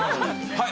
はい。